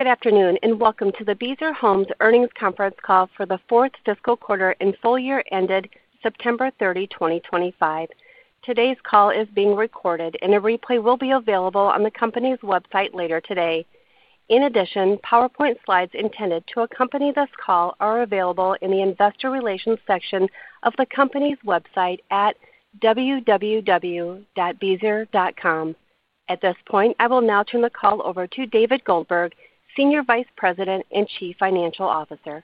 Good afternoon and welcome to the Beazer Homes Earnings Conference Call for The Fourth Fiscal Quarter and Full Year Ended September 30, 2025. Today's call is being recorded, and a replay will be available on the company's website later today. In addition, PowerPoint slides intended to accompany this call are available in the Investor Relations section of the company's website at www.beazer.com. At this point, I will now turn the call over to David Goldberg, Senior Vice President and Chief Financial Officer.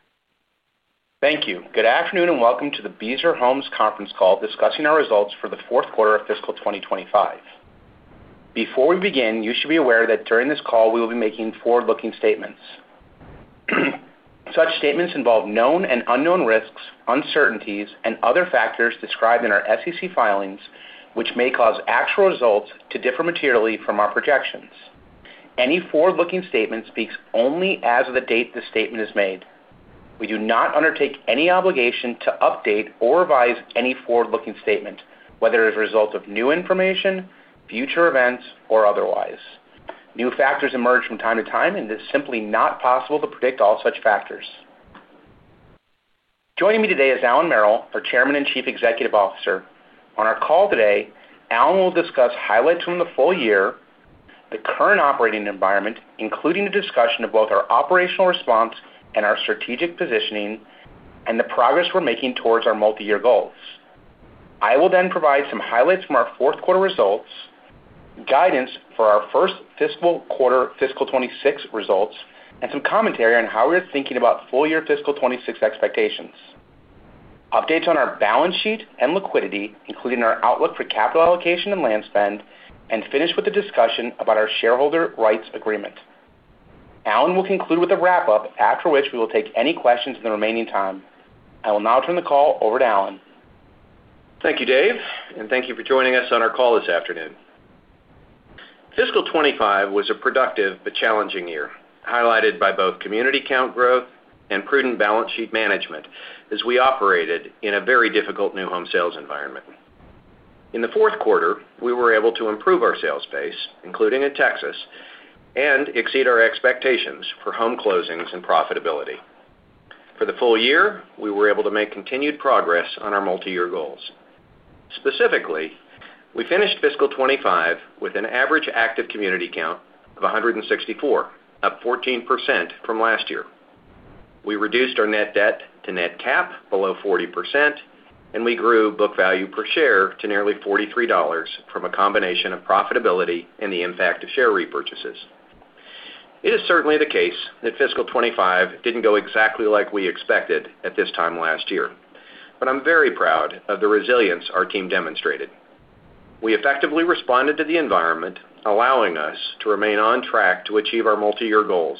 Thank you. Good afternoon and welcome to the Beazer Homes Conference Call discussing our Results for The Fourth Quarter of Fiscal 2025. Before we begin, you should be aware that during this call, we will be making forward-looking statements. Such statements involve known and unknown risks, uncertainties, and other factors described in our SEC filings, which may cause actual results to differ materially from our projections. Any forward-looking statement speaks only as of the date the statement is made. We do not undertake any obligation to update or revise any forward-looking statement, whether as a result of new information, future events, or otherwise. New factors emerge from time to time, and it is simply not possible to predict all such factors. Joining me today is Allan Merrill, our Chairman and Chief Executive Officer. On our call today, Allan will discuss highlights from the full year, the current operating environment, including a discussion of both our operational response and our strategic positioning, and the progress we're making towards our multi-year goals. I will then provide some highlights from our fourth quarter results, guidance for our first fiscal quarter, fiscal 2026 results, and some commentary on how we are thinking about full year fiscal 2026 expectations. Updates on our balance sheet and liquidity, including our outlook for capital allocation and land spend, and finish with a discussion about our shareholder rights agreement. Allan will conclude with a wrap-up, after which we will take any questions in the remaining time. I will now turn the call over to Allan. Thank you, Dave, and thank you for joining us on our call this afternoon. Fiscal 2025 was a productive but challenging year, highlighted by both community count growth and prudent balance sheet management as we operated in a very difficult new home sales environment. In the fourth quarter, we were able to improve our sales pace, including in Texas, and exceed our expectations for home closings and profitability. For the full year, we were able to make continued progress on our multi-year goals. Specifically, we finished fiscal 2025 with an average active community count of 164, up 14% from last year. We reduced our net debt to net capitalization below 40%, and we grew book value per share to nearly $43 from a combination of profitability and the impact of share repurchases. It is certainly the case that fiscal 2025 did not go exactly like we expected at this time last year, but I'm very proud of the resilience our team demonstrated. We effectively responded to the environment, allowing us to remain on track to achieve our multi-year goals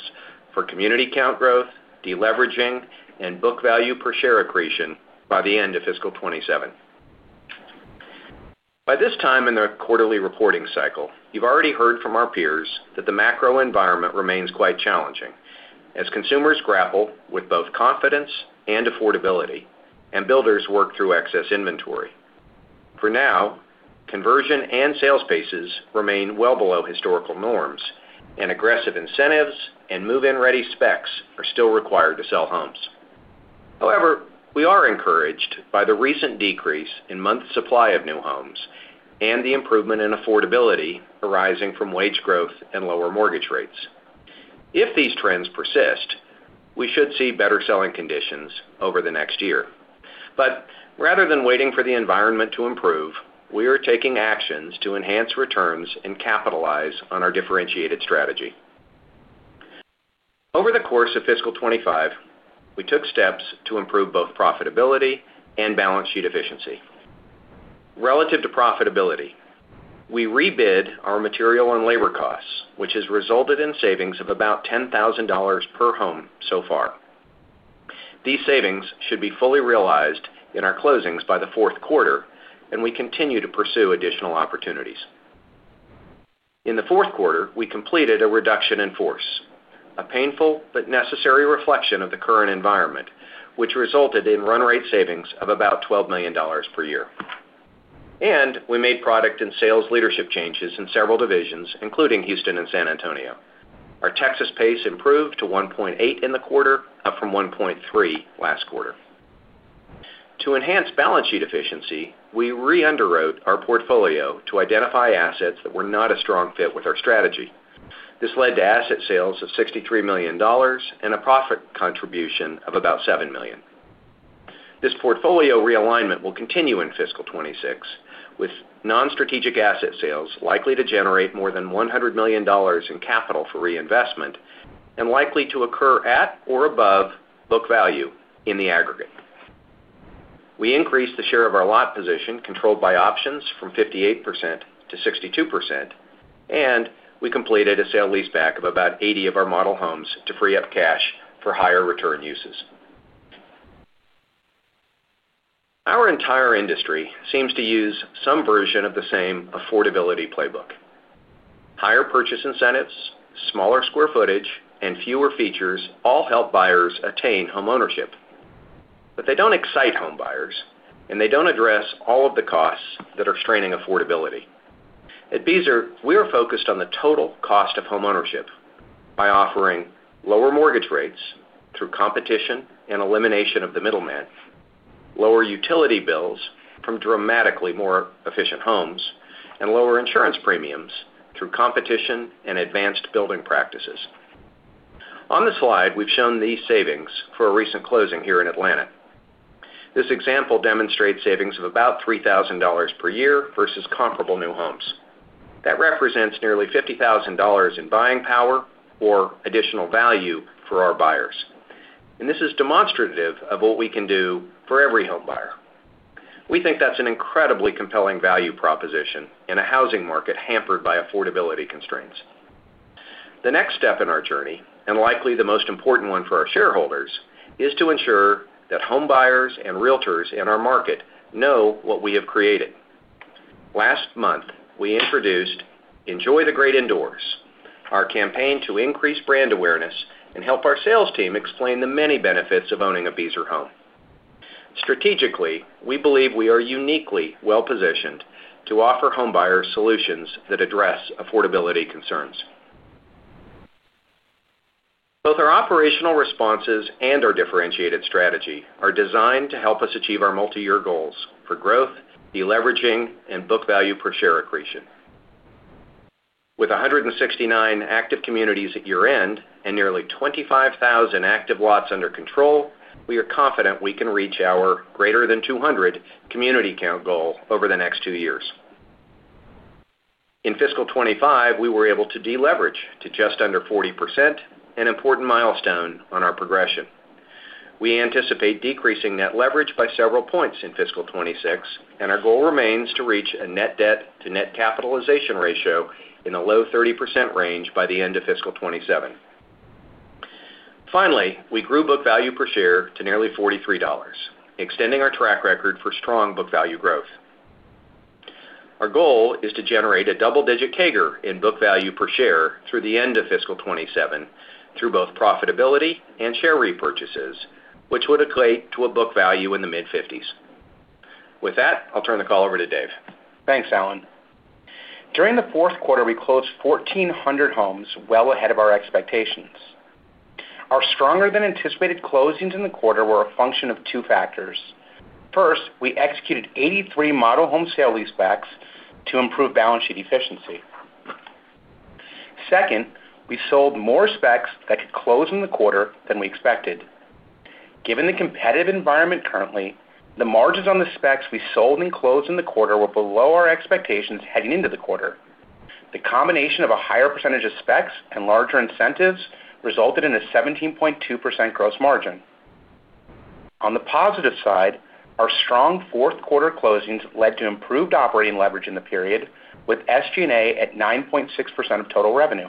for community count growth, deleveraging, and book value per share accretion by the end of fiscal 2027. By this time in the quarterly reporting cycle, you've already heard from our peers that the macro environment remains quite challenging as consumers grapple with both confidence and affordability, and builders work through excess inventory. For now, conversion and sales paces remain well below historical norms, and aggressive incentives and move-in ready specs are still required to sell homes. However, we are encouraged by the recent decrease in months supply of new homes and the improvement in affordability arising from wage growth and lower mortgage rates. If these trends persist, we should see better selling conditions over the next year. Rather than waiting for the environment to improve, we are taking actions to enhance returns and capitalize on our differentiated strategy. Over the course of fiscal 2025, we took steps to improve both profitability and balance sheet efficiency. Relative to profitability, we rebid our material and labor costs, which has resulted in savings of about $10,000 per home so far. These savings should be fully realized in our closings by the fourth quarter, and we continue to pursue additional opportunities. In the fourth quarter, we completed a reduction in force, a painful but necessary reflection of the current environment, which resulted in run rate savings of about $12 million per year. We made product and sales leadership changes in several divisions, including Houston and San Antonio. Our Texas pace improved to 1.8 in the quarter, up from 1.3 last quarter. To enhance balance sheet efficiency, we re-underwrote our portfolio to identify assets that were not a strong fit with our strategy. This led to asset sales of $63 million and a profit contribution of about $7 million. This portfolio realignment will continue in fiscal 2026, with non-strategic asset sales likely to generate more than $100 million in capital for reinvestment and likely to occur at or above book value in the aggregate. We increased the share of our lot position controlled by options from 58% to 62%, and we completed a sale leaseback of about 80 of our model homes to free up cash for higher return uses. Our entire industry seems to use some version of the same affordability playbook. Higher purchase incentives, smaller square footage, and fewer features all help buyers attain homeownership. They do not excite home buyers, and they do not address all of the costs that are straining affordability. At Beazer, we are focused on the total cost of homeownership by offering lower mortgage rates through competition and elimination of the middleman, lower utility bills from dramatically more efficient homes, and lower insurance premiums through competition and advanced building practices. On the slide, we have shown these savings for a recent closing here in Atlanta. This example demonstrates savings of about $3,000 per year versus comparable new homes. That represents nearly $50,000 in buying power or additional value for our buyers. This is demonstrative of what we can do for every home buyer. We think that is an incredibly compelling value proposition in a housing market hampered by affordability constraints. The next step in our journey, and likely the most important one for our shareholders, is to ensure that home buyers and realtors in our market know what we have created. Last month, we introduced Enjoy the Great Indoors, our campaign to increase brand awareness and help our sales team explain the many benefits of owning a Beazer home. Strategically, we believe we are uniquely well-positioned to offer home buyers solutions that address affordability concerns. Both our operational responses and our differentiated strategy are designed to help us achieve our multi-year goals for growth, deleveraging, and book value per share accretion. With 169 active communities at year-end and nearly 25,000 active lots under control, we are confident we can reach our greater than 200 community count goal over the next two years. In fiscal 2025, we were able to deleverage to just under 40%, an important milestone on our progression. We anticipate decreasing net leverage by several points in fiscal 2026, and our goal remains to reach a net debt to net capitalization ratio in the low 30% range by the end of fiscal 2027. Finally, we grew book value per share to nearly $43, extending our track record for strong book value growth. Our goal is to generate a double-digit CAGR in book value per share through the end of fiscal 2027 through both profitability and share repurchases, which would equate to a book value in the mid-50s. With that, I'll turn the call over to Dave. Thanks, Allan. During the fourth quarter, we closed 1,400 homes well ahead of our expectations. Our stronger-than-anticipated closings in the quarter were a function of two factors. First, we executed 83 model home sale lease backs to improve balance sheet efficiency. Second, we sold more specs that could close in the quarter than we expected. Given the competitive environment currently, the margins on the specs we sold and closed in the quarter were below our expectations heading into the quarter. The combination of a higher percentage of specs and larger incentives resulted in a 17.2% gross margin. On the positive side, our strong fourth quarter closings led to improved operating leverage in the period, with SG&A at 9.6% of total revenue.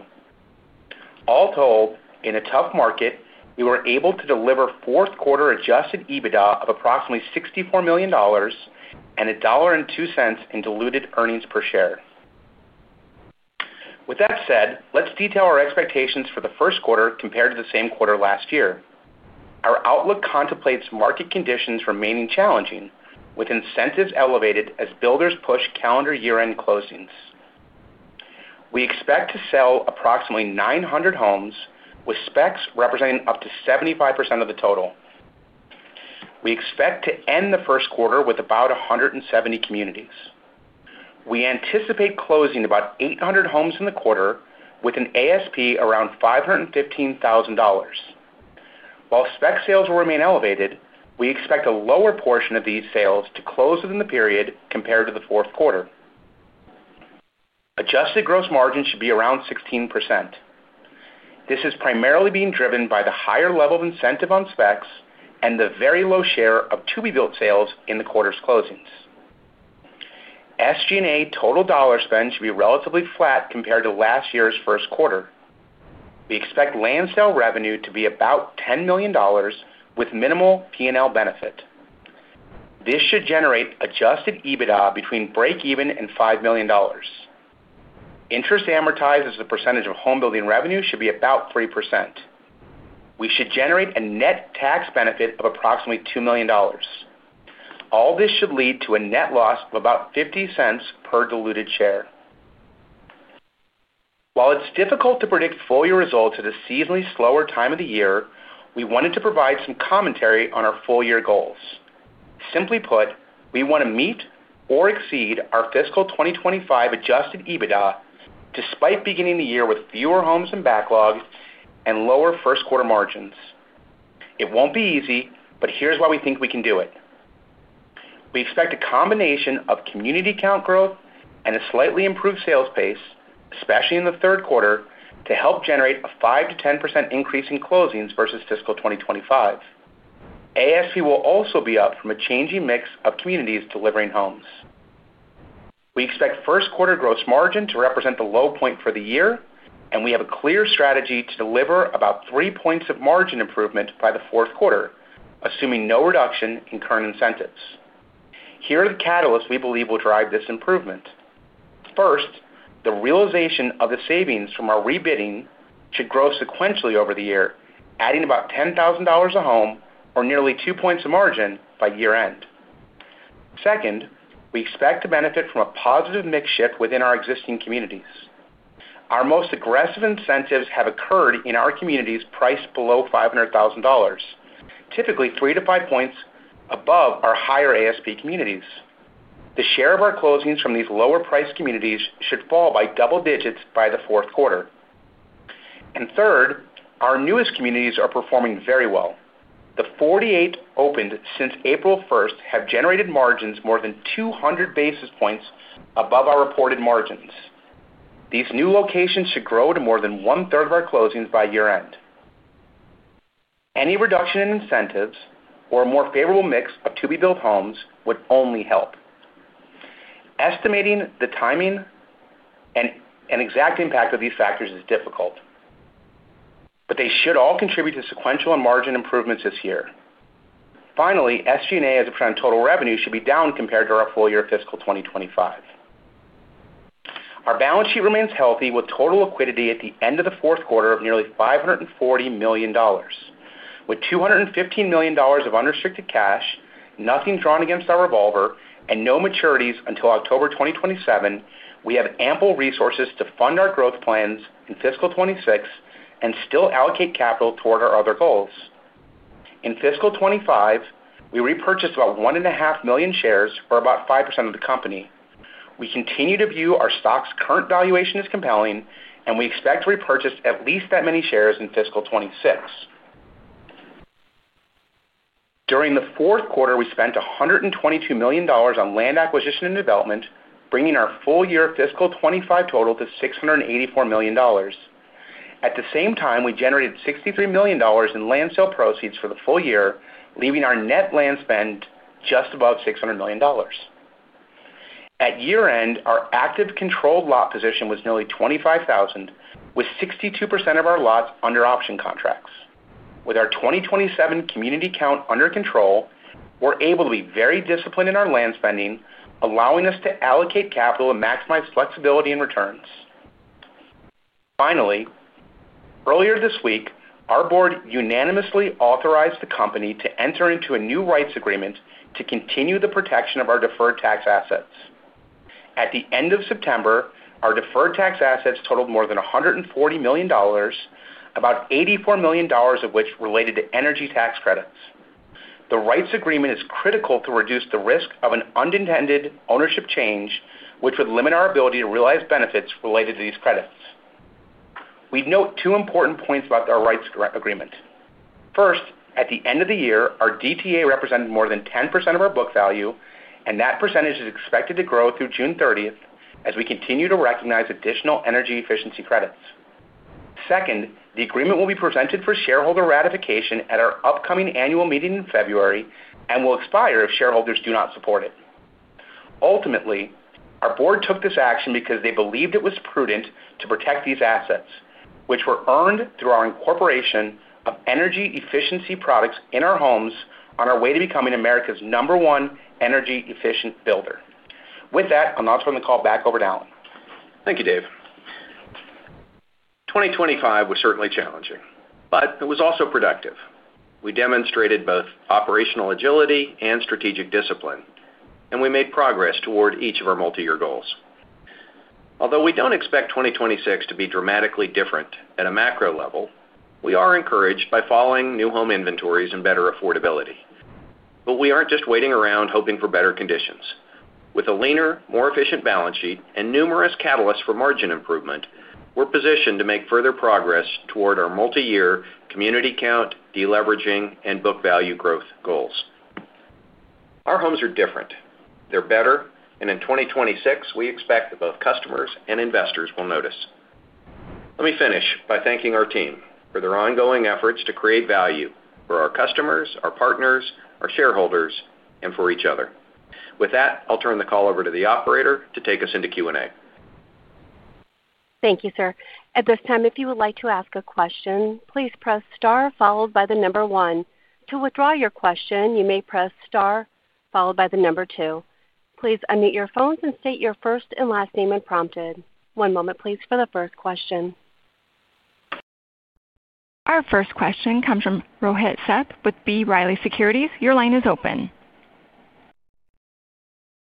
All told, in a tough market, we were able to deliver fourth quarter adjusted EBITDA of approximately $64 million and $1.02 in diluted earnings per share. With that said, let's detail our expectations for the first quarter compared to the same quarter last year. Our outlook contemplates market conditions remaining challenging, with incentives elevated as builders push calendar year-end closings. We expect to sell approximately 900 homes, with specs representing up to 75% of the total. We expect to end the first quarter with about 170 communities. We anticipate closing about 800 homes in the quarter, with an ASP around $515,000. While spec sales will remain elevated, we expect a lower portion of these sales to close within the period compared to the fourth quarter. Adjusted gross margin should be around 16%. This is primarily being driven by the higher level of incentive on specs and the very low share of to-be-built sales in the quarter's closings. SG&A total dollar spend should be relatively flat compared to last year's first quarter. We expect land sale revenue to be about $10 million, with minimal P&L benefit. This should generate adjusted EBITDA between break-even and $5 million. Interest amortized as a percentage of home building revenue should be about 3%. We should generate a net tax benefit of approximately $2 million. All this should lead to a net loss of about $0.50 per diluted share. While it's difficult to predict full year results at a seasonally slower time of the year, we wanted to provide some commentary on our full year goals. Simply put, we want to meet or exceed our fiscal 2025 adjusted EBITDA despite beginning the year with fewer homes in backlog and lower first quarter margins. It won't be easy, but here's why we think we can do it. We expect a combination of community count growth and a slightly improved sales pace, especially in the third quarter, to help generate a 5%-10% increase in closings versus fiscal 2025. ASP will also be up from a changing mix of communities delivering homes. We expect first quarter gross margin to represent the low point for the year, and we have a clear strategy to deliver about three percentage points of margin improvement by the fourth quarter, assuming no reduction in current incentives. Here are the catalysts we believe will drive this improvement. First, the realization of the savings from our rebidding should grow sequentially over the year, adding about $10,000 a home or nearly two percentage points of margin by year-end. Second, we expect to benefit from a positive mix shift within our existing communities. Our most aggressive incentives have occurred in our communities priced below $500,000, typically three to five points above our higher ASP communities. The share of our closings from these lower-priced communities should fall by double digits by the fourth quarter. Third, our newest communities are performing very well. The 48 opened since April 1 have generated margins more than 200 basis points above our reported margins. These new locations should grow to more than one-third of our closings by year-end. Any reduction in incentives or a more favorable mix of to-be-built homes would only help. Estimating the timing and exact impact of these factors is difficult, but they should all contribute to sequential and margin improvements this year. Finally, SG&A as a percent of total revenue should be down compared to our full year fiscal 2025. Our balance sheet remains healthy with total liquidity at the end of the fourth quarter of nearly $540 million. With $215 million of unrestricted cash, nothing drawn against our revolver, and no maturities until October 2027, we have ample resources to fund our growth plans in fiscal 2026 and still allocate capital toward our other goals. In fiscal 2025, we repurchased about 1.5 million shares for about 5% of the company. We continue to view our stock's current valuation as compelling, and we expect to repurchase at least that many shares in fiscal 2026. During the fourth quarter, we spent $122 million on land acquisition and development, bringing our full year fiscal 2025 total to $684 million. At the same time, we generated $63 million in land sale proceeds for the full year, leaving our net land spend just above $600 million. At year-end, our active controlled lot position was nearly 25,000, with 62% of our lots under option contracts. With our 2027 community count under control, we're able to be very disciplined in our land spending, allowing us to allocate capital and maximize flexibility in returns. Finally, earlier this week, our board unanimously authorized the company to enter into a new rights agreement to continue the protection of our deferred tax assets. At the end of September, our deferred tax assets totaled more than $140 million, about $84 million of which related to energy tax credits. The rights agreement is critical to reduce the risk of an unintended ownership change, which would limit our ability to realize benefits related to these credits. We note two important points about our rights agreement. First, at the end of the year, our DTA represented more than 10% of our book value, and that percentage is expected to grow through June 30 as we continue to recognize additional energy efficiency credits. Second, the agreement will be presented for shareholder ratification at our upcoming annual meeting in February and will expire if shareholders do not support it. Ultimately, our board took this action because they believed it was prudent to protect these assets, which were earned through our incorporation of energy efficiency products in our homes on our way to becoming America's number one energy efficient builder. With that, I'll now turn the call back over to Allan. Thank you, Dave. 2025 was certainly challenging, but it was also productive. We demonstrated both operational agility and strategic discipline, and we made progress toward each of our multi-year goals. Although we do not expect 2026 to be dramatically different at a macro level, we are encouraged by following new home inventories and better affordability. We are not just waiting around hoping for better conditions. With a leaner, more efficient balance sheet and numerous catalysts for margin improvement, we are positioned to make further progress toward our multi-year community count, deleveraging, and book value growth goals. Our homes are different. They are better, and in 2026, we expect that both customers and investors will notice. Let me finish by thanking our team for their ongoing efforts to create value for our customers, our partners, our shareholders, and for each other. With that, I'll turn the call over to the operator to take us into Q&A. Thank you, sir. At this time, if you would like to ask a question, please press star followed by the number one. To withdraw your question, you may press star followed by the number two. Please unmute your phones and state your first and last name when prompted. One moment, please, for the first question. Our first question comes from Rohit Seps with B. Riley Securities. Your line is open.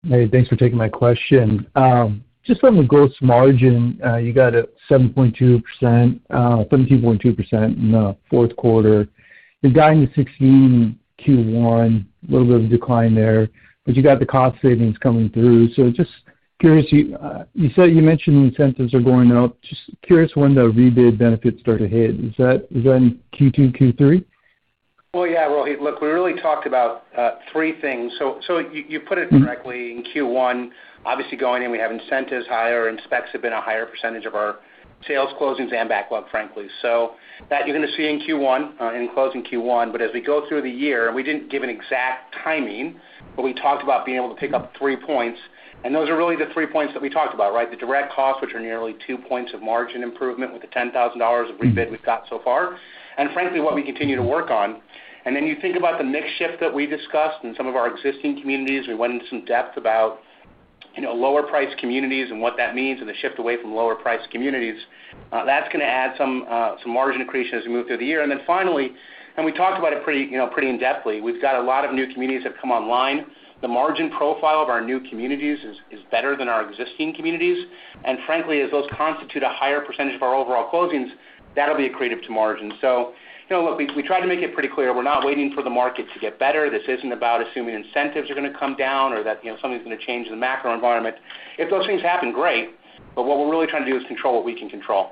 Hey, thanks for taking my question. Just from the gross margin, you got a 17.2% in the fourth quarter. You're guiding to 16% in Q1, a little bit of a decline there, but you got the cost savings coming through. Just curious, you said you mentioned incentives are going up. Just curious when the rebid benefits start to hit. Is that in Q2, Q3? Yeah, Rohit, look, we really talked about three things. You put it correctly in Q1. Obviously, going in, we have incentives higher, and specs have been a higher percentage of our sales closings and backlog, frankly. That you are going to see in Q1, in closing Q1. As we go through the year, we did not give an exact timing, but we talked about being able to pick up three points. Those are really the three points that we talked about, right? The direct costs, which are nearly two points of margin improvement with the $10,000 of rebid we have got so far, and frankly, what we continue to work on. You think about the mix shift that we discussed in some of our existing communities. We went into some depth about lower-priced communities and what that means and the shift away from lower-priced communities. That's going to add some margin accretion as we move through the year. Finally, and we talked about it pretty in-depth, we've got a lot of new communities that have come online. The margin profile of our new communities is better than our existing communities. Frankly, as those constitute a higher percentage of our overall closings, that'll be accretive to margin. Look, we tried to make it pretty clear. We're not waiting for the market to get better. This isn't about assuming incentives are going to come down or that something's going to change in the macro environment. If those things happen, great. What we're really trying to do is control what we can control.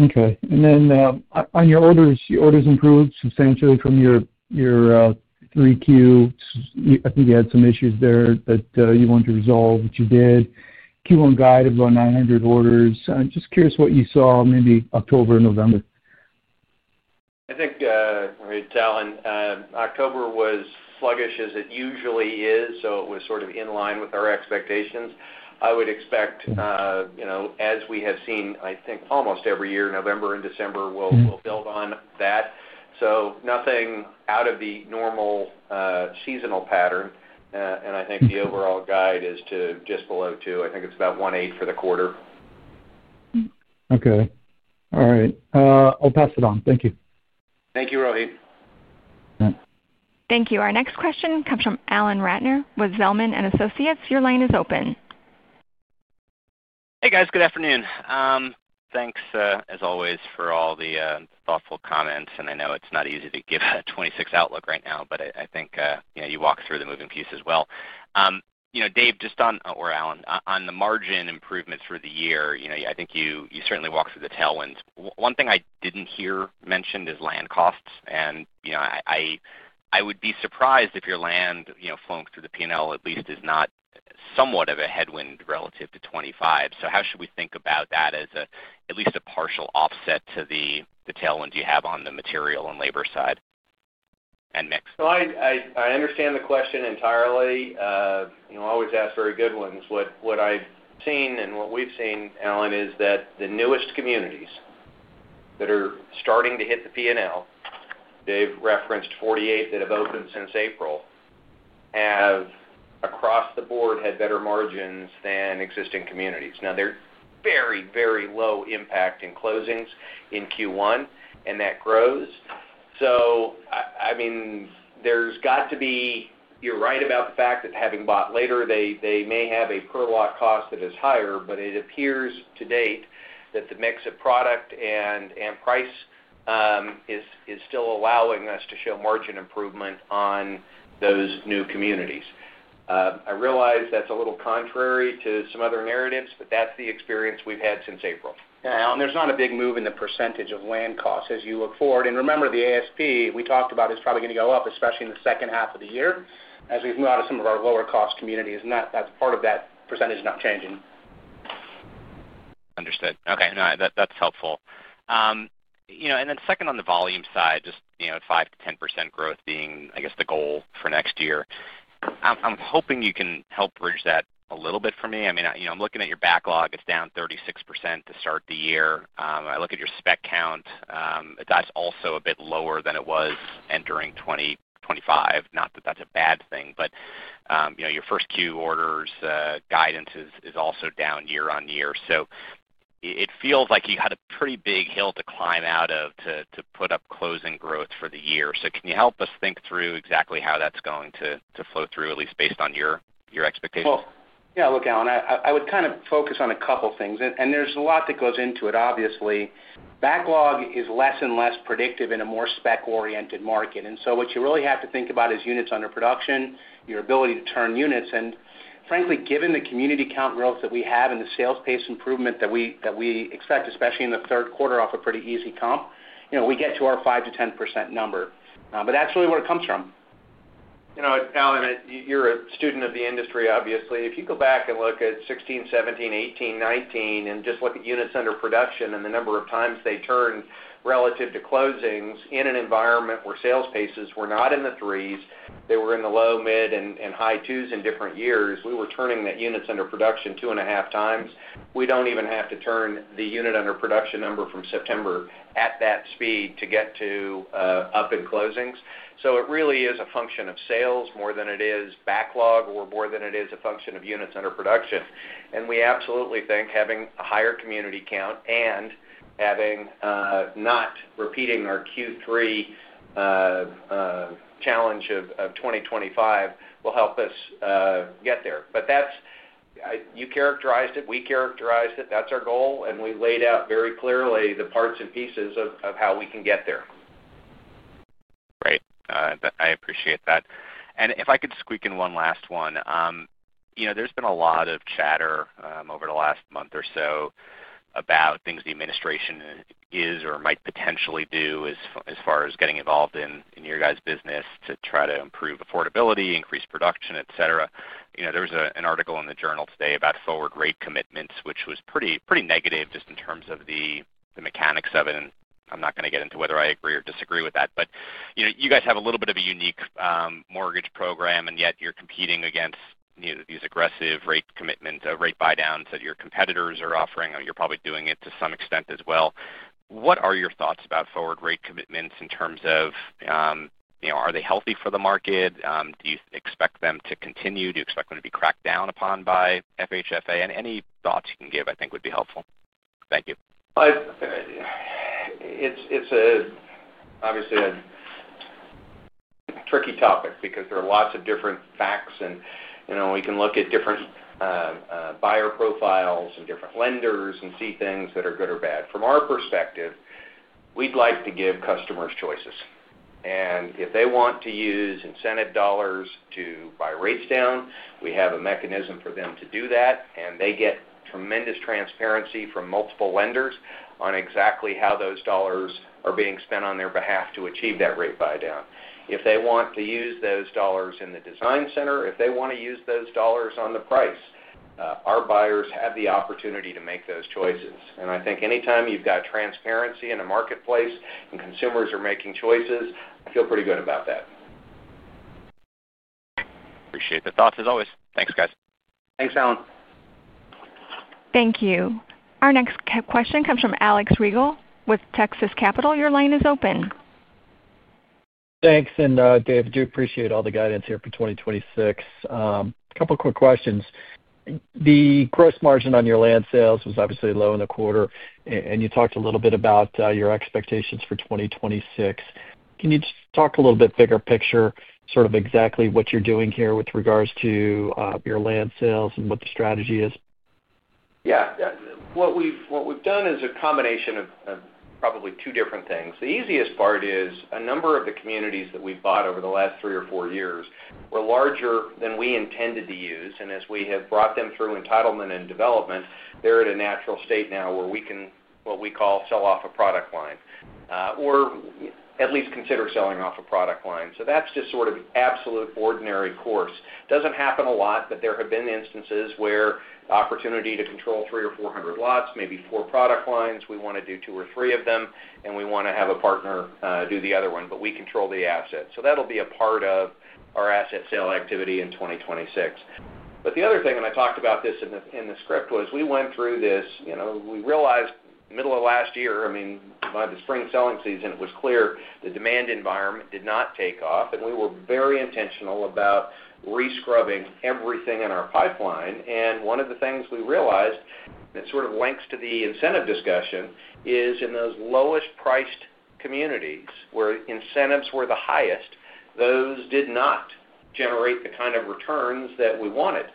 Okay. On your orders, your orders improved substantially from your three Q. I think you had some issues there that you wanted to resolve, which you did. Q1 guide of about 900 orders. Just curious what you saw maybe October and November. I think, Rohit, Allan, October was sluggish as it usually is, so it was sort of in line with our expectations. I would expect, as we have seen, I think almost every year, November and December will build on that. Nothing out of the normal seasonal pattern. I think the overall guide is to just below two. I think it is about 1.8 for the quarter. Okay. All right. I'll pass it on. Thank you. Thank you, Rohit. Thank you. Our next question comes from Allan Ratner with Zelman & Associates. Your line is open. Hey, guys. Good afternoon. Thanks, as always, for all the thoughtful comments. I know it's not easy to give a 2026 outlook right now, but I think you walk through the moving pieces well. Dave, just on, or Allan, on the margin improvements for the year, I think you certainly walked through the tailwinds. One thing I didn't hear mentioned is land costs. I would be surprised if your land flowing through the P&L, at least, is not somewhat of a headwind relative to 2025. How should we think about that as at least a partial offset to the tailwinds you have on the material and labor side and mix? I understand the question entirely. I always ask very good ones. What I've seen and what we've seen, Allan, is that the newest communities that are starting to hit the P&L, Dave referenced 48 that have opened since April, have across the board had better margins than existing communities. Now, they're very, very low-impact in closings in Q1, and that grows. I mean, there's got to be, you're right about the fact that having bought later, they may have a per lot cost that is higher, but it appears to date that the mix of product and price is still allowing us to show margin improvement on those new communities. I realize that's a little contrary to some other narratives, but that's the experience we've had since April. Yeah, Allan, there's not a big move in the % of land costs as you look forward. Remember, the ASP we talked about is probably going to go up, especially in the second half of the year as we move out of some of our lower-cost communities. That's part of that % not changing. Understood. Okay. No, that's helpful. And then second on the volume side, just 5-10% growth being, I guess, the goal for next year. I'm hoping you can help bridge that a little bit for me. I mean, I'm looking at your backlog. It's down 36% to start the year. I look at your spec count. That's also a bit lower than it was entering 2025. Not that that's a bad thing, but your first Q orders guidance is also down year on year. It feels like you had a pretty big hill to climb out of to put up closing growth for the year. Can you help us think through exactly how that's going to flow through, at least based on your expectations? Yeah, look, Allan, I would kind of focus on a couple of things. There is a lot that goes into it. Obviously, backlog is less and less predictive in a more spec-oriented market. What you really have to think about is units under production, your ability to turn units. Frankly, given the community count growth that we have and the sales pace improvement that we expect, especially in the third quarter off a pretty easy comp, we get to our 5%-10% number. That is really where it comes from. Allan, you're a student of the industry, obviously. If you go back and look at 2016, 2017, 2018, 2019, and just look at units under production and the number of times they turned relative to closings in an environment where sales paces were not in the threes. They were in the low, mid, and high twos in different years. We were turning that units under production two and a half times. We don't even have to turn the unit under production number from September at that speed to get to up in closings. It really is a function of sales more than it is backlog or more than it is a function of units under production. We absolutely think having a higher community count and not repeating our Q3 challenge of 2025 will help us get there. You characterized it. We characterized it. That's our goal. We laid out very clearly the parts and pieces of how we can get there. Great. I appreciate that. If I could squeak in one last one. There's been a lot of chatter over the last month or so about things the administration is or might potentially do as far as getting involved in your guys' business to try to improve affordability, increase production, etc. There was an article in the Journal today about forward rate commitments, which was pretty negative just in terms of the mechanics of it. I'm not going to get into whether I agree or disagree with that. You guys have a little bit of a unique mortgage program, and yet you're competing against these aggressive rate commitments, rate buy-downs that your competitors are offering. You're probably doing it to some extent as well. What are your thoughts about forward rate commitments in terms of are they healthy for the market? Do you expect them to continue? Do you expect them to be cracked down upon by FHFA? Any thoughts you can give, I think, would be helpful. Thank you. It's obviously a tricky topic because there are lots of different facts. We can look at different buyer profiles and different lenders and see things that are good or bad. From our perspective, we'd like to give customers choices. If they want to use incentive dollars to buy rates down, we have a mechanism for them to do that. They get tremendous transparency from multiple lenders on exactly how those dollars are being spent on their behalf to achieve that rate buy-down. If they want to use those dollars in the design center, if they want to use those dollars on the price, our buyers have the opportunity to make those choices. I think anytime you've got transparency in a marketplace and consumers are making choices, I feel pretty good about that. Appreciate the thoughts as always. Thanks, guys. Thanks, Allan. Thank you. Our next question comes from Alex Rygiel with Texas Capital. Your line is open. Thanks. Dave, I do appreciate all the guidance here for 2026. A couple of quick questions. The gross margin on your land sales was obviously low in the quarter, and you talked a little bit about your expectations for 2026. Can you just talk a little bit bigger picture, sort of exactly what you're doing here with regards to your land sales and what the strategy is? Yeah. What we've done is a combination of probably two different things. The easiest part is a number of the communities that we've bought over the last three or four years were larger than we intended to use. As we have brought them through entitlement and development, they're at a natural state now where we can, what we call, sell off a product line or at least consider selling off a product line. That's just sort of absolute ordinary course. Doesn't happen a lot, but there have been instances where the opportunity to control three or four hundred lots, maybe four product lines. We want to do two or three of them, and we want to have a partner do the other one, but we control the assets. That'll be a part of our asset sale activity in 2026. The other thing, and I talked about this in the script, was we went through this. We realized middle of last year, I mean, by the spring selling season, it was clear the demand environment did not take off. We were very intentional about rescrubbing everything in our pipeline. One of the things we realized that sort of links to the incentive discussion is in those lowest-priced communities where incentives were the highest, those did not generate the kind of returns that we wanted.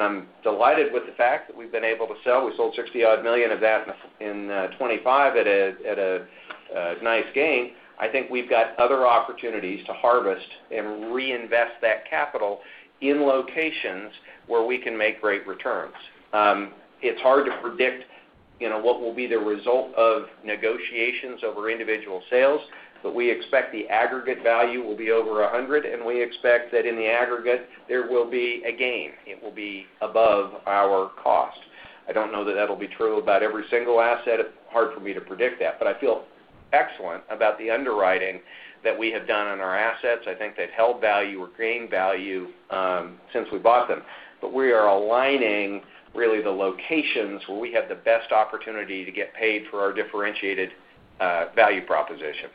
I'm delighted with the fact that we've been able to sell. We sold $60-odd million of that in 2025 at a nice gain. I think we've got other opportunities to harvest and reinvest that capital in locations where we can make great returns. It's hard to predict what will be the result of negotiations over individual sales, but we expect the aggregate value will be over 100. We expect that in the aggregate, there will be a gain. It will be above our cost. I don't know that that'll be true about every single asset. It's hard for me to predict that. I feel excellent about the underwriting that we have done on our assets. I think they've held value or gained value since we bought them. We are aligning really the locations where we have the best opportunity to get paid for our differentiated value proposition.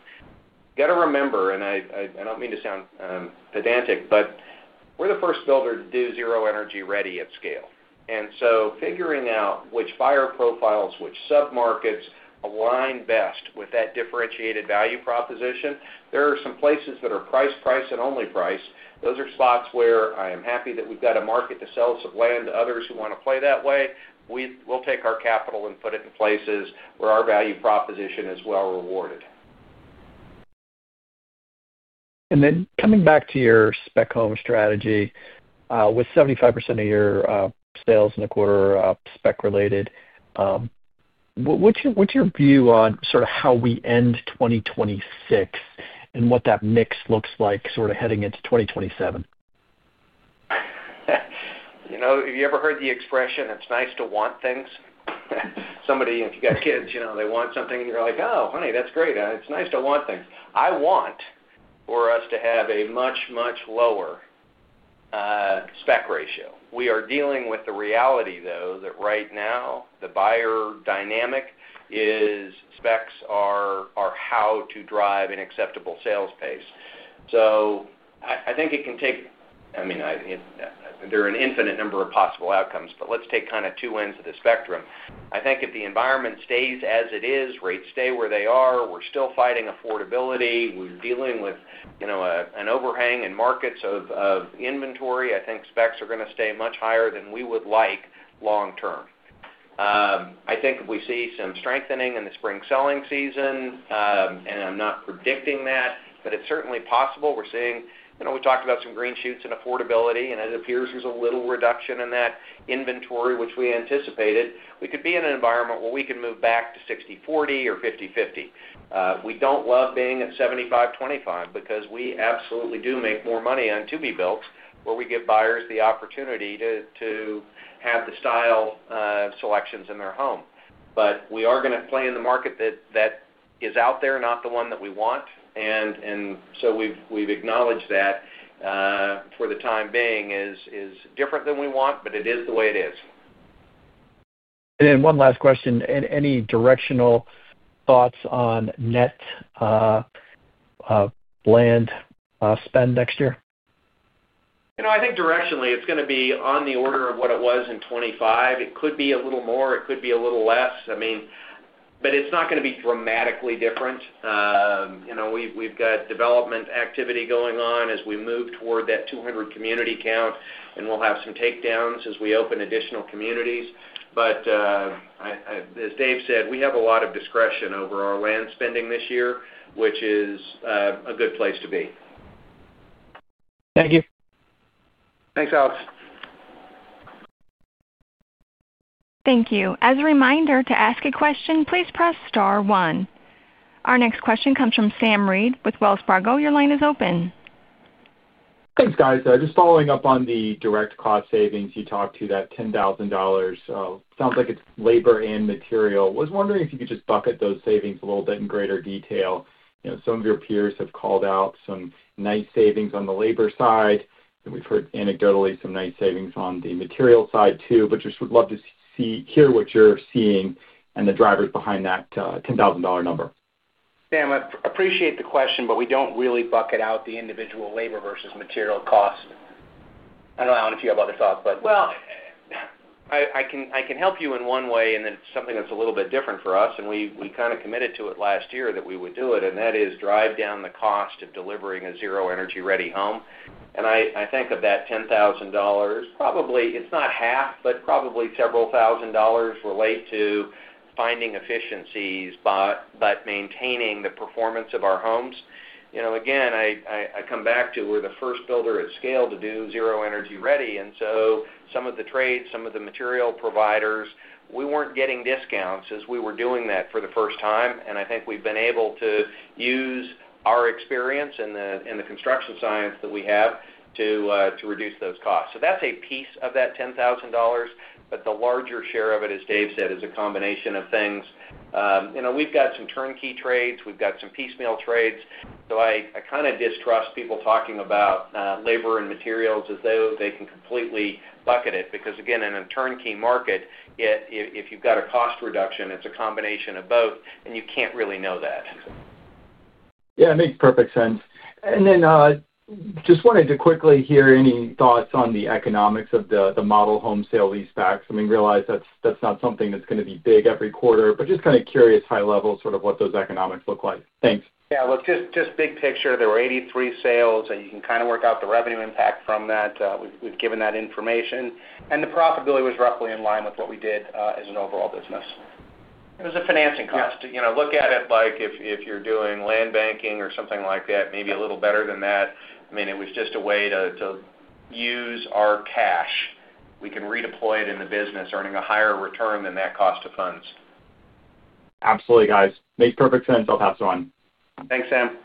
Got to remember, and I don't mean to sound pedantic, but we're the first builder to do zero-energy ready at scale. Figuring out which buyer profiles, which sub-markets align best with that differentiated value proposition. There are some places that are price, price, and only price. Those are spots where I am happy that we have got a market to sell some land to others who want to play that way. We will take our capital and put it in places where our value proposition is well rewarded. Then coming back to your spec home strategy with 75% of your sales in the quarter spec related, what's your view on sort of how we end 2026 and what that mix looks like sort of heading into 2027? Have you ever heard the expression, "It's nice to want things"? Somebody, if you've got kids, they want something, and you're like, "Oh, honey, that's great. It's nice to want things." I want for us to have a much, much lower spec ratio. We are dealing with the reality, though, that right now, the buyer dynamic is. Specs are how to drive an acceptable sales pace. I think it can take, I mean, there are an infinite number of possible outcomes, but let's take kind of two ends of the spectrum. I think if the environment stays as it is, rates stay where they are, we're still fighting affordability, we're dealing with an overhang in markets of inventory, I think specs are going to stay much higher than we would like long-term. I think we see some strengthening in the spring selling season, and I'm not predicting that, but it's certainly possible. We're seeing we talked about some green shoots in affordability, and it appears there's a little reduction in that inventory, which we anticipated. We could be in an environment where we can move back to 60-40 or 50-50. We don't love being at 75-25 because we absolutely do make more money on to-be-builts where we give buyers the opportunity to have the style selections in their home. We are going to play in the market that is out there, not the one that we want. We have acknowledged that for the time being is different than we want, but it is the way it is. One last question. Any directional thoughts on net land spend next year? I think directionally, it's going to be on the order of what it was in 2025. It could be a little more. It could be a little less. I mean, but it's not going to be dramatically different. We've got development activity going on as we move toward that 200 community count, and we'll have some takedowns as we open additional communities. But as Dave said, we have a lot of discretion over our land spending this year, which is a good place to be. Thank you. Thanks, Alex. Thank you. As a reminder, to ask a question, please press star one. Our next question comes from Sam Reid with Wells Fargo. Your line is open. Thanks, guys. Just following up on the direct cost savings you talked to, that $10,000. Sounds like it's labor and material. I was wondering if you could just bucket those savings a little bit in greater detail. Some of your peers have called out some nice savings on the labor side. We've heard anecdotally some nice savings on the material side too, but just would love to hear what you're seeing and the drivers behind that $10,000 number. Sam, I appreciate the question, but we don't really bucket out the individual labor versus material cost. I don't know how many of you have other thoughts, but. I can help you in one way, and it's something that's a little bit different for us. We kind of committed to it last year that we would do it, and that is drive down the cost of delivering a zero-energy ready home. I think of that $10,000, probably it's not half, but probably several thousand dollars relate to finding efficiencies but maintaining the performance of our homes. Again, I come back to we're the first builder at scale to do zero-energy ready. Some of the trades, some of the material providers, we weren't getting discounts as we were doing that for the first time. I think we've been able to use our experience and the construction science that we have to reduce those costs. That's a piece of that $10,000. The larger share of it, as Dave said, is a combination of things. We've got some turnkey trades. We've got some piecemeal trades. I kind of distrust people talking about labor and materials as though they can completely bucket it because, again, in a turnkey market, if you've got a cost reduction, it's a combination of both, and you can't really know that. Yeah. It makes perfect sense. I just wanted to quickly hear any thoughts on the economics of the model home sale lease facts. I mean, realize that's not something that's going to be big every quarter, but just kind of curious high-level sort of what those economics look like. Thanks. Yeah. Look, just big picture, there were 83 sales, and you can kind of work out the revenue impact from that. We've given that information. And the profitability was roughly in line with what we did as an overall business. It was a financing cost. Look at it like if you're doing land banking or something like that, maybe a little better than that. I mean, it was just a way to use our cash. We can redeploy it in the business, earning a higher return than that cost of funds. Absolutely, guys. Makes perfect sense. I'll pass it on. Thanks, Sam.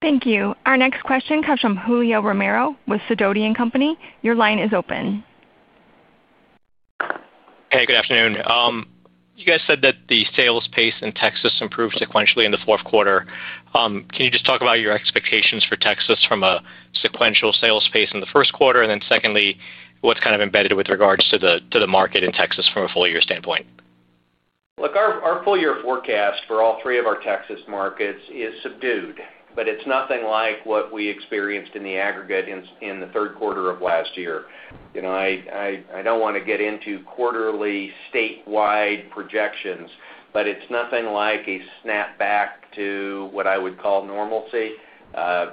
Thank you. Our next question comes from Julio Romero with Sidoti & Company. Your line is open. Hey, good afternoon. You guys said that the sales pace in Texas improved sequentially in the fourth quarter. Can you just talk about your expectations for Texas from a sequential sales pace in the first quarter? Secondly, what's kind of embedded with regards to the market in Texas from a full-year standpoint? Look, our full-year forecast for all three of our Texas markets is subdued, but it's nothing like what we experienced in the aggregate in the third quarter of last year. I don't want to get into quarterly statewide projections, but it's nothing like a snap back to what I would call normalcy.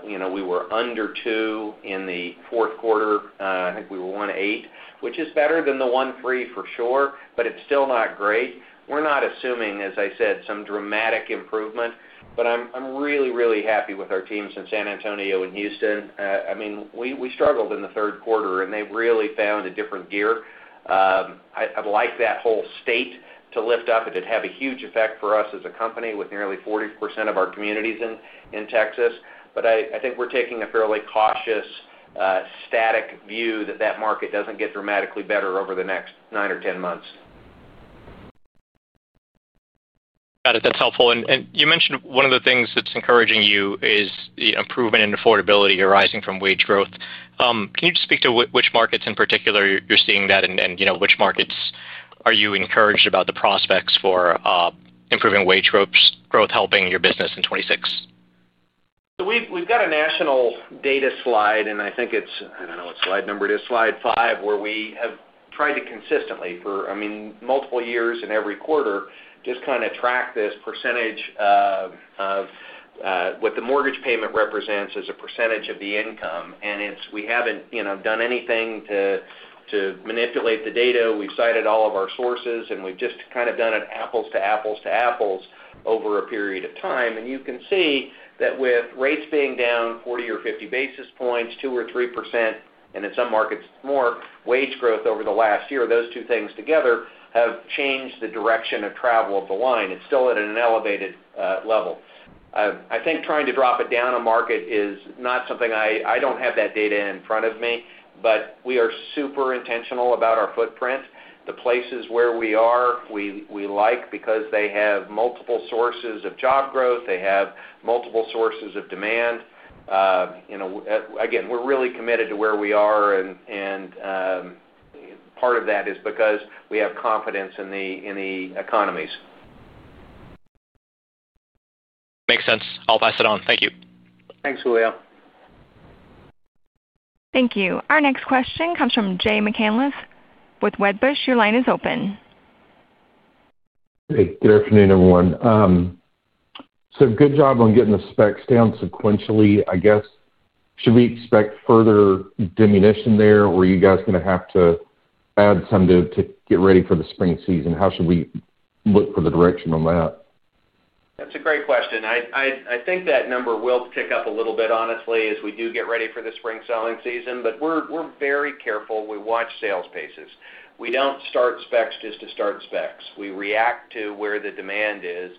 We were under two in the fourth quarter. I think we were one eight, which is better than the one three for sure, but it's still not great. We're not assuming, as I said, some dramatic improvement, but I'm really, really happy with our teams in San Antonio and Houston. I mean, we struggled in the third quarter, and they really found a different gear. I'd like that whole state to lift up. It'd have a huge effect for us as a company with nearly 40% of our communities in Texas. I think we're taking a fairly cautious, static view that that market doesn't get dramatically better over the next nine or 10 months. Got it. That's helpful. You mentioned one of the things that's encouraging you is improvement in affordability arising from wage growth. Can you just speak to which markets in particular you're seeing that, and which markets are you encouraged about the prospects for improving wage growth helping your business in 2026? We've got a national data slide, and I think it's, I don't know what slide number it is, slide five, where we have tried to consistently for, I mean, multiple years in every quarter, just kind of track this percentage of what the mortgage payment represents as a percentage of the income. We haven't done anything to manipulate the data. We've cited all of our sources, and we've just kind of done it apples to apples to apples over a period of time. You can see that with rates being down 40 or 50 basis points, 2 or 3%, and in some markets, more, wage growth over the last year, those two things together have changed the direction of travel of the line. It's still at an elevated level. I think trying to drop it down a market is not something I don't have that data in front of me, but we are super intentional about our footprint. The places where we are, we like because they have multiple sources of job growth. They have multiple sources of demand. Again, we're really committed to where we are, and part of that is because we have confidence in the economies. Makes sense. I'll pass it on. Thank you. Thanks, Julio. Thank you. Our next question comes from Jay McCanless with Wedbush. Your line is open. Hey, good afternoon, everyone. Good job on getting the specs down sequentially. I guess, should we expect further diminution there, or are you guys going to have to add some to get ready for the spring season? How should we look for the direction on that? That's a great question. I think that number will tick up a little bit, honestly, as we do get ready for the spring selling season. We are very careful. We watch sales paces. We do not start specs just to start specs. We react to where the demand is.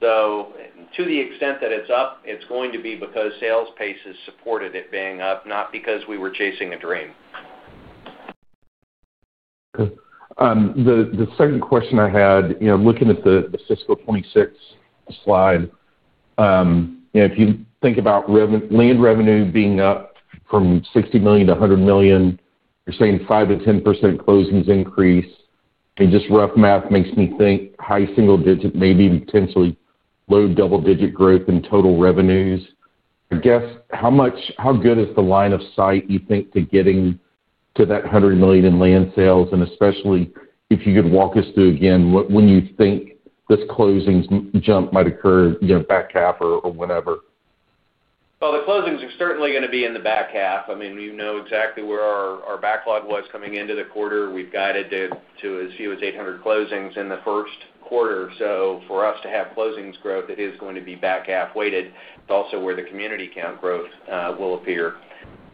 To the extent that it is up, it is going to be because sales pace has supported it being up, not because we were chasing a dream. Okay. The second question I had, looking at the Cisco 26 slide, if you think about land revenue being up from $60 million to $100 million, you're seeing 5%-10% closings increase. And just rough math makes me think high single-digit, maybe potentially low double-digit growth in total revenues. I guess, how good is the line of sight you think to getting to that $100 million in land sales? And especially if you could walk us through again when you think this closings jump might occur back half or whenever. The closings are certainly going to be in the back half. I mean, we know exactly where our backlog was coming into the quarter. We've guided it to as few as 800 closings in the first quarter. For us to have closings growth, it is going to be back half weighted. It's also where the community count growth will appear.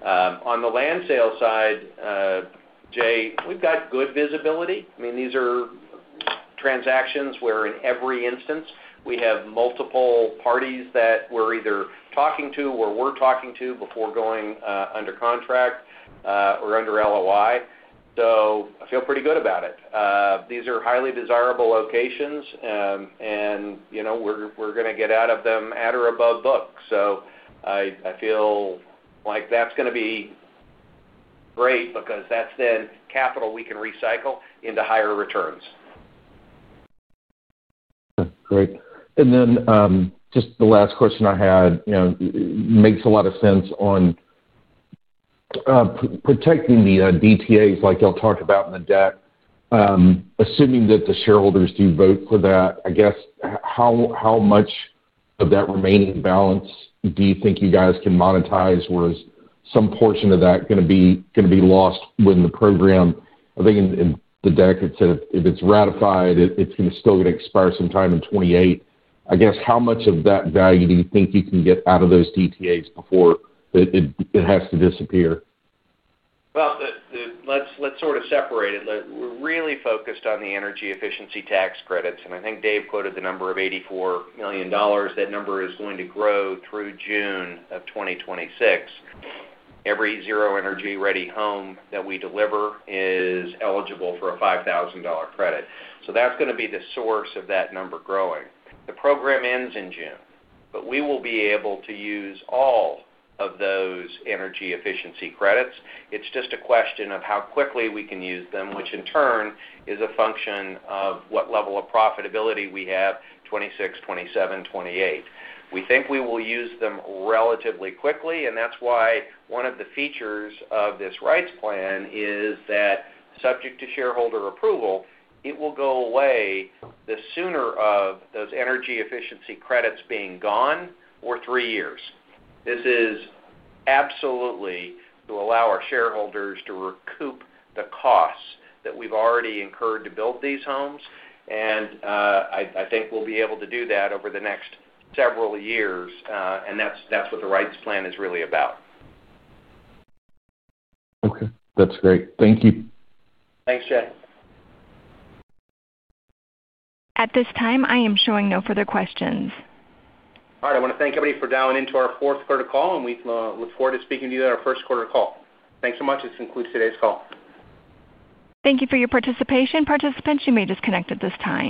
On the land sale side, Jay, we've got good visibility. I mean, these are transactions where in every instance, we have multiple parties that we're either talking to or we're talking to before going under contract or under LOI. I feel pretty good about it. These are highly desirable locations, and we're going to get out of them at or above book. I feel like that's going to be great because that's then capital we can recycle into higher returns. Okay. Great. Then just the last question I had makes a lot of sense on protecting the DTAs like y'all talked about in the deck. Assuming that the shareholders do vote for that, I guess, how much of that remaining balance do you think you guys can monetize, whereas some portion of that going to be lost when the program, I think in the deck, it said if it's ratified, it's going to still expire some time in 2028. I guess, how much of that value do you think you can get out of those DTAs before it has to disappear? Let's sort of separate it. We're really focused on the energy efficiency tax credits. I think Dave quoted the number of $84 million. That number is going to grow through June of 2026. Every zero-energy ready home that we deliver is eligible for a $5,000 credit. That's going to be the source of that number growing. The program ends in June, but we will be able to use all of those energy efficiency credits. It's just a question of how quickly we can use them, which in turn is a function of what level of profitability we have 2026, 2027, 2028. We think we will use them relatively quickly, and that's why one of the features of this rights plan is that subject to shareholder approval, it will go away the sooner of those energy efficiency credits being gone or three years. This is absolutely to allow our shareholders to recoup the costs that we've already incurred to build these homes. I think we'll be able to do that over the next several years, and that's what the rights plan is really about. Okay. That's great. Thank you. Thanks, Jay. At this time, I am showing no further questions. All right. I want to thank everybody for dialing into our fourth quarter call, and we look forward to speaking to you at our first quarter call. Thanks so much. This concludes today's call. Thank you for your participation. Participants, you may disconnect at this time.